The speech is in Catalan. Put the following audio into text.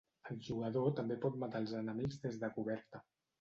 El jugador també pot matar els enemics des de coberta.